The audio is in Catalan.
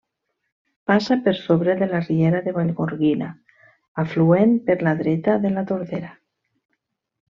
Passa per sobre de la riera de Vallgorguina, afluent per la dreta de la Tordera.